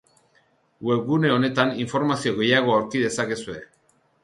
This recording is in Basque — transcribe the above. Webgune honetan informazio gehiago aurki dezakezue.